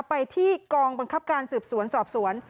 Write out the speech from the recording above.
ไปที่กองบังคับการสืบสวนสอบสวน